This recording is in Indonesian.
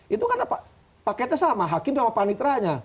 itu kan paketnya sama hakim sama panitera nya